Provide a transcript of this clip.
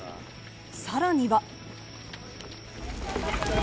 さらには。